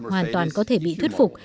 hoàn toàn có thể bị thuyết phục